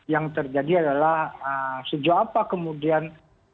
yang terjadi adalah sejauh apa kemudian